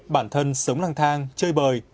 bản thân sống lăng thang chơi bời